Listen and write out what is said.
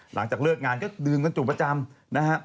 หลังจากเลิกงานก็ดื่มกันจู่ประจำนะฮะ